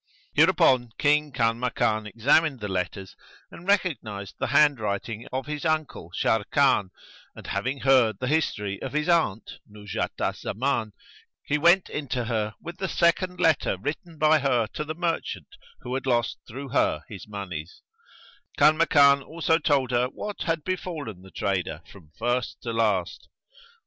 [FN#116] Hereupon King Kanmakan examined the letters and recognised the handwriting of his uncle Sharrkan, and, having heard the history of his aunt, Nuzhat al Zaman, he went in to her with the second letter written by her to the merchant who had lost through her his monies; Kanmakan also told her what had befallen the trader from first to last.